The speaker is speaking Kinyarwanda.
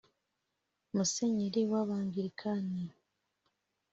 Musenyeri w’Abangilikani